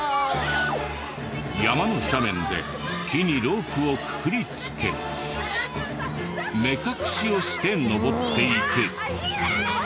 山の斜面で木にロープをくくりつけ目隠しをして登っていく。